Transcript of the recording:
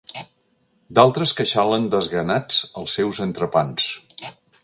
D'altres queixalen desganats els seus entrepans.